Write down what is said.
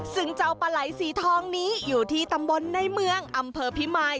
ซึ่งเจ้าปลาไหลสีทองนี้อยู่ที่ตำบลในเมืองอำเภอพิมาย